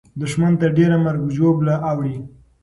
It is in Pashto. دښمن ته ډېره مرګ او ژوبله اوړي.